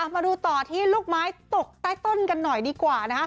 มาดูต่อที่ลูกไม้ตกใต้ต้นกันหน่อยดีกว่านะครับ